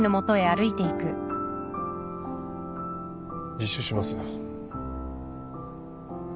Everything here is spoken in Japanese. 自首します。